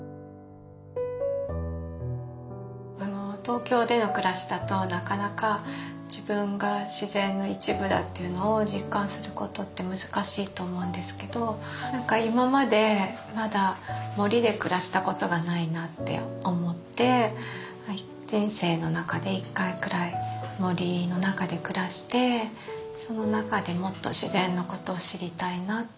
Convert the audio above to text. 東京での暮らしだとなかなか自分が自然の一部だっていうのを実感することって難しいと思うんですけどなんか今までまだ森で暮らしたことがないなって思って人生の中で一回くらい森の中で暮らしてその中でもっと自然のことを知りたいなと。